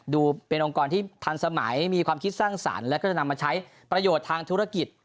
ดูเป็นองค์กรที่ทันสมัยมีความคิดสร้างสรรค์แล้วก็จะนำมาใช้ประโยชน์ทางธุรกิจ